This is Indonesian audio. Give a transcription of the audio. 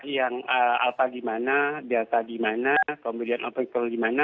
yang apa gimana data gimana kemudian operasi gimana